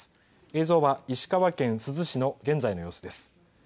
映像は石川県珠洲市の現在の様子です。